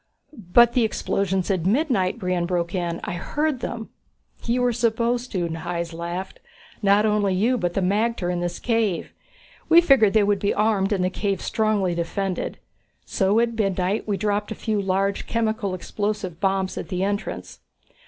"But the explosions at midnight?" Brion broke in. "I heard them!" "You were supposed to," Hys laughed. "Not only you, but the magter in this cave. We figured they would be armed and the cave strongly defended. So at midnight we dropped a few large chemical explosive bombs at the entrance.